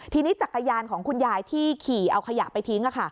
ทีนี้จักรยานของคุณยายที่ขี่เอาขยะไปทิ้ง